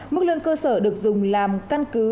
mức lương cơ sở được dùng làm căn cứ